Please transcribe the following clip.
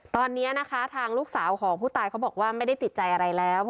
ตอนนี้นะคะทางลูกสาวของผู้ตายเขาบอกว่าไม่ได้ติดใจอะไรแล้ว